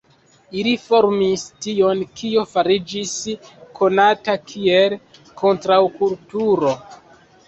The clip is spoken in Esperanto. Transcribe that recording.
Ili formis tion, kio fariĝis konata kiel kontraŭkulturo.